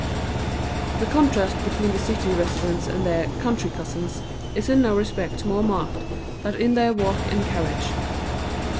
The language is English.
The contrast between the city residents and their "country cousins" is in no respect more marked than in their walk and carriage.